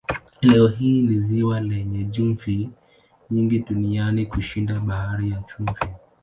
Leo hii ni ziwa lenye chumvi nyingi duniani kushinda Bahari ya Chumvi.